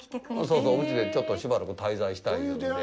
そうそう、うちでちょっとしばらく滞在したいいうんで。